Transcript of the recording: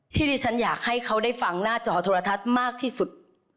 ที่ดิฉันอยากให้เขาได้ฟังหน้าจอโทรทัศน์มากที่สุด